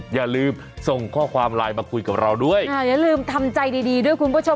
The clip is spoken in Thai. อย่าลืมส่งข้อความไลน์มาคุยกับเราด้วยอย่าลืมทำใจดีดีด้วยคุณผู้ชม